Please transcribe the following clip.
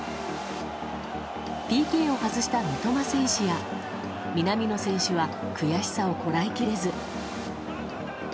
ＰＫを外した三笘選手や南野選手は悔しさをこらえきれず。